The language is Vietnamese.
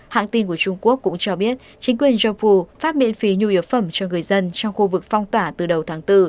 hãng tin của trung quốc cũng cho biết chính quyền jobu phát miễn phí nhu yếu phẩm cho người dân trong khu vực phong tỏa từ đầu tháng bốn